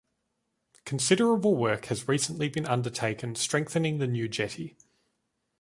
Considerable work has recently been undertaken strengthening the New Jetty.